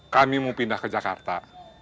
kami mau pindah ke jakarta